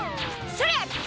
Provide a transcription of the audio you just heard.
それ！